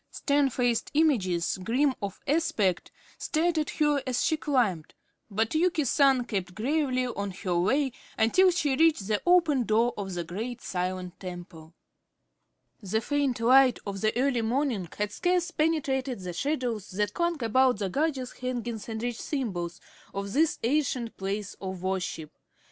Stern faced images, grim of aspect, stared at her as she climbed, but Yuki San kept gravely on her way until she reached the open door of the great silent temple. The faint light of the early morning had scarce penetrated the shadows that clung about the gorgeous hangings and rich symbols of this ancient place of worship.